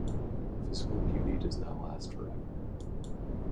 Physical beauty does not last for ever.